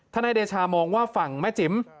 นายเดชามองว่าฝั่งแม่จิ๋ม